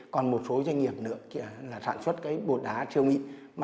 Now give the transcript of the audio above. còn một số doanh nghiệp nữa sản xuất bột đá siêu mịn